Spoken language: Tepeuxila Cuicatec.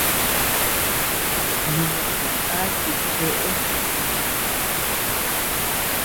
Nimo jidna chi cheʼe.